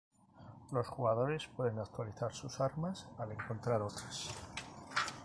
Los jugadores pueden actualizar sus armas al encontrar otras.